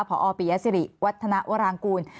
พอปียสิริวัฒนาวรางกูล